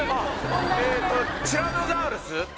えーっとティラノザウルス？